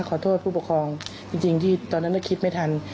ขอโทษผู้ปกครองจริงที่ตอนนั้นคิดไม่ทัน